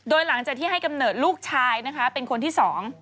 โดยหลังจากที่ให้กำเนิดลูกชายนะคะเป็นคนที่สอง